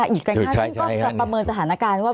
หยุดการฆ่าที่ก็คือประเมินสถานการณ์ว่า